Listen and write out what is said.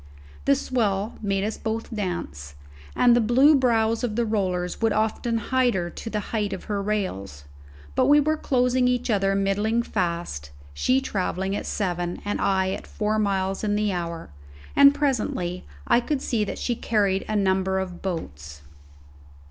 The swell made us both dance, and the blue brows of the rollers would often hide her to the height of her rails; but we were closing each other middling fast she travelling at seven and I at four miles in the hour, and presently I could see that she carried a number of boats.